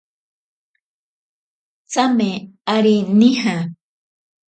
Tsame aré nija.